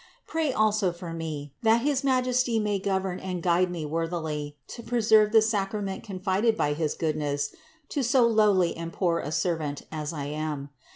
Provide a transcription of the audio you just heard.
Pray also for me, that his Majesty may govern and guide me worthily to preserve the sacra ment confided by his goodness to so lowly and poor a servant as I am.